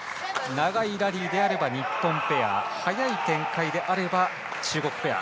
長いラリーであれば日本ペア早い展開であれば中国ペア。